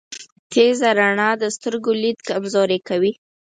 تیزه رڼا د سترګو لید کمزوری کوی.